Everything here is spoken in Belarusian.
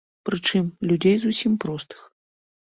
Прычым, людзей зусім простых.